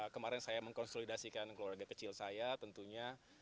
kemarin saya mengkonsolidasikan keluarga kecil saya tentunya